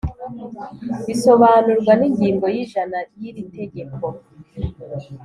bisobanurwa n ingingo y’ijana y iri tegeko